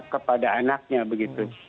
kepada anaknya begitu